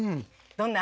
どんな？